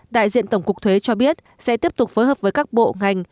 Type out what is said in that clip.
đại diện tổng cục thuế cho biết sẽ tiếp tục phối hợp với các bộ ngành